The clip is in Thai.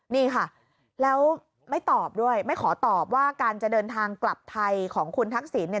นี่ค่ะแล้วไม่ตอบด้วยไม่ขอตอบว่าการจะเดินทางกลับไทยของคุณทักษิณเนี่ย